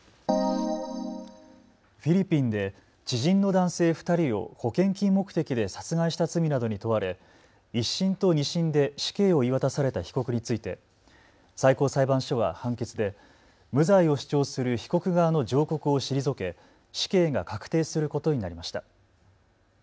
フィリピンで知人の男性２人を保険金目的で殺害した罪などに問われ１審と２審で死刑を言い渡された被告について最高裁判所は判決で無罪を主張する被告側の上告を退け死刑が確定することになりました。